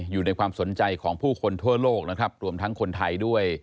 อยู่ในความสนใจของผู้คนทั่วโลกนะครับรวมทั้งคนไทยด้วย